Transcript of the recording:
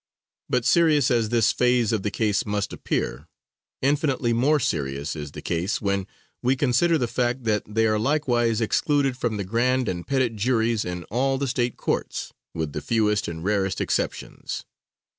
But serious as this phase of the case must appear, infinitely more serious is the case when we consider the fact that they are likewise excluded from the grand and petit juries in all the State courts, with the fewest and rarest exceptions.